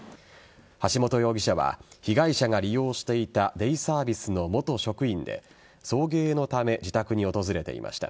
橋本容疑者は被害者が利用していたデイサービスの元職員で送迎のため自宅に訪れていました。